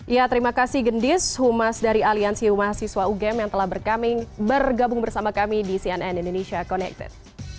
ya terima kasih gendis humas dari aliansi rumah siswa ugm yang telah bergabung bersama kami di cnn indonesia connected